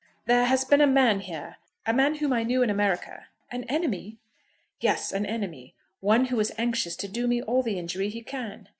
"There has been a man here, a man whom I knew in America." "An enemy?" "Yes, an enemy. One who is anxious to do me all the injury he can."